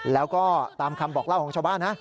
แล้วก็ตามคำบอกเล่าของชาวบ้านนะ